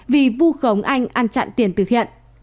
vì vu khống anh ăn chặn tiền tử thiện